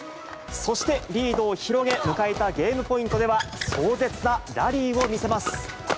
そしてリードを広げ、迎えたゲームポイントでは、壮絶なラリーを見せます。